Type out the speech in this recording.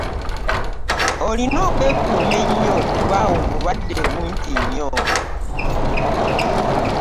Olina okwekuuma ennyo kuba obulwadde bungi nnyo.